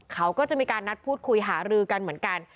เขาก็จะมีการนัดพูดคุยหารือกันเหมือนกัน